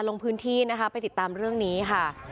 ลงพื้นที่นะคะไปติดตามเรื่องนี้ค่ะ